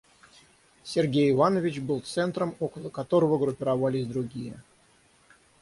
Сергей Иванович был центром, около которого группировались другие.